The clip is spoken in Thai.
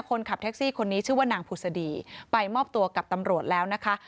คนขับแท็กซี่คนนี้ชื่อว่านางผุศดีไปมอบตัวกับตำรวจแล้วนะคะ